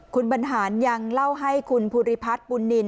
คุณบรรหารยังเล่าให้คุณภูริพัฒน์บุญนิน